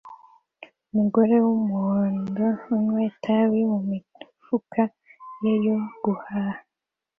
Umugore wumuhondo unywa itabi mumifuka ye yo guhaha